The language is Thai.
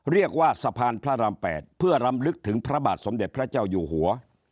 สะพานพระราม๘เพื่อรำลึกถึงพระบาทสมเด็จพระเจ้าอยู่หัว